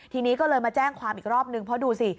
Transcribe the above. ทีนี้ก็เลยมาแจ้งความอีกรอบนึงเพราะดูสิ